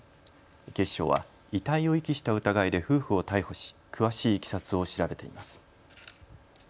警視庁は遺体を遺棄した疑いで夫婦を逮捕し、詳しいいきさつを調べています。